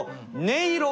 音色。